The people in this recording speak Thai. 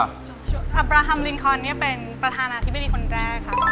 อับราฮัมลินคอนเนี่ยเป็นประธานาธิบดีคนแรกครับ